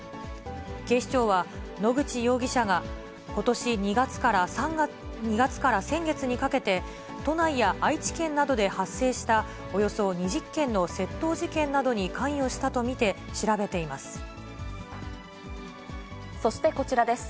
警視庁は野口容疑者が、ことし２月から先月にかけて、都内や愛知県などで発生したおよそ２０件の窃盗事件などに関与しそしてこちらです。